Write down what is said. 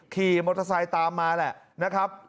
ขี่มอเตอร์ไซค์ตามมาแหละนะครับ